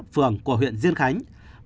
phường quốc gia quốc gia quốc gia quốc gia